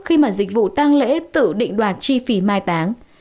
khi mà dịch vụ tăng lễ tự định đoạt chi phí mai táng